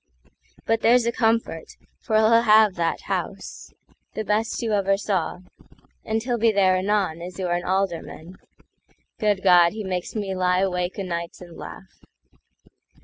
But there's a comfort, for he'll have that House—The best you ever saw; and he'll be thereAnon, as you're an Alderman. Good God! He makes me lie awake o'nights and laugh.